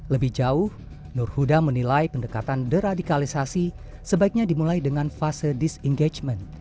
lebih jauh nur huda menilai pendekatan deradikalisasi sebaiknya dimulai dengan fase disengagement